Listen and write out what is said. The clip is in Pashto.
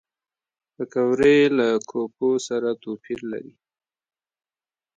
پکورې له کوکو سره توپیر لري